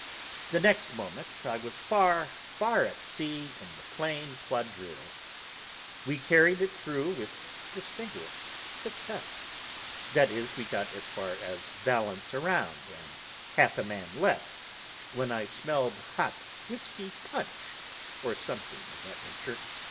The next moment I was far, far at sea in the plain quadrille. We carried it through with distinguished success; that is, we got as far as "balance around" and "half a man left," when I smelled hot whisky punch, or something of that nature.